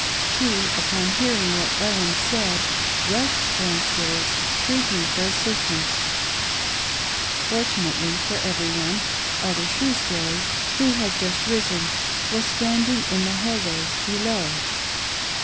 She, upon hearing what Ellen said, rushed downstairs shrieking for assistance. Fortunately , for every one,' Elder Shrewsbury, ■ who had just risen, was 572 "OH god! WHAT A CURSE WAS THERE !" Standing in the hall way below.